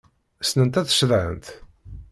Ssnent ad ceḍḥent?